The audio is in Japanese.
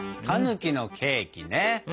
たぬきのケーキね。